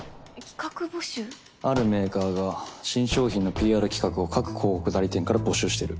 あるメーカーが新商品のＰＲ企画を各広告代理店から募集してる。